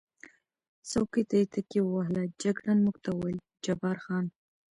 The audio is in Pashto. څوکۍ ته یې تکیه ووهل، جګړن موږ ته وویل: جبار خان.